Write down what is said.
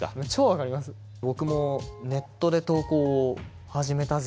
僕も「ネットで投稿を始めたぜ」